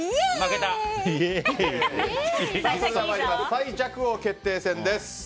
最弱王決定戦です。